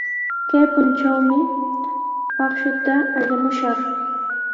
Kay puntrawmi akshuta allamushaq.